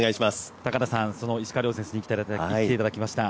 高田さん、その石川選手に来ていただきました。